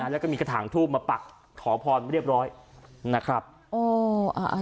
แล้วก็มีกระถางทูบมาปักขอพรเรียบร้อยนะครับโอ้อ่า